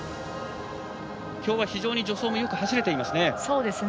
きょうは非常に助走が走れてますね。